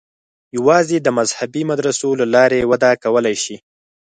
یوازې د مذهبي مدرسو له لارې وده کولای شي.